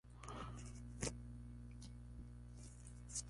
Soñaba con ser modelo desde los diez años de edad.